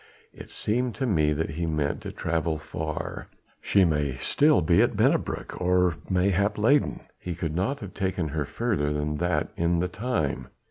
It seemed to me that he meant to travel far." "She may be still at Bennebrock, or mayhap at Leyden he could not have taken her further than that in the time.